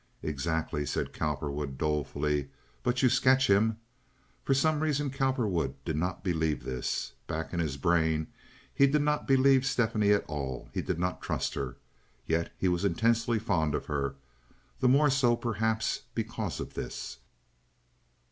"Exactly," said Cowperwood, dolefully; "but you sketch him." For some reason Cowperwood did not believe this. Back in his brain he did not believe Stephanie at all, he did not trust her. Yet he was intensely fond of her—the more so, perhaps, because of this.